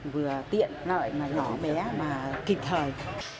vừa tiện nợi mà nhỏ bé mà kịp thời